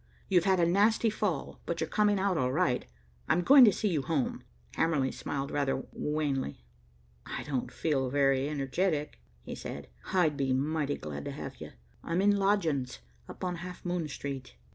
You've had a nasty fall, but you're coming out all right. I'm going to see you home." Hamerly smiled rather wanly. "I don't feel very energetic," he said. "I'd be mighty glad to have you. I'm in lodgings up on Half Moon Street."